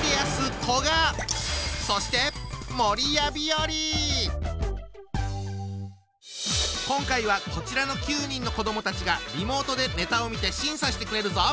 そして今回はこちらの９人の子どもたちがリモートでネタを見て審査してくれるぞ！